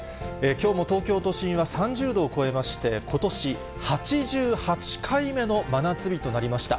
きょうも東京都心は３０度を超えまして、ことし８８回目の真夏日となりました。